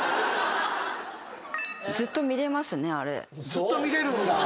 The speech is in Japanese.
ずっと見られるんだ？